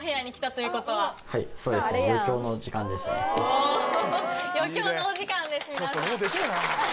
お余興のお時間です皆さん。